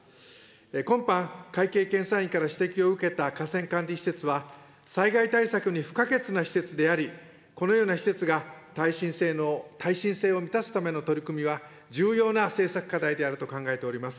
今般、会計検査院から指摘を受けた河川管理施設は、災害対策に不可欠な施設であり、このような施設が耐震性能、耐震性を満たすための取り組みは、重要な政策課題であると考えております。